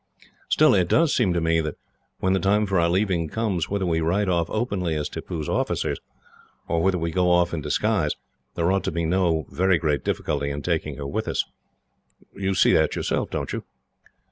Still, it does seem to me that when the time for our leaving comes, whether we ride off openly as Tippoo's officers, or whether we go off in disguise, there ought to be no very great difficulty in taking her away with us. You see that yourself, don't you?"